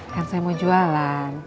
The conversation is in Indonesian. kan saya mau jualan